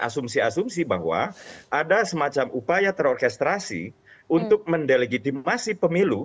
asumsi asumsi bahwa ada semacam upaya terorkestrasi untuk mendelegitimasi pemilu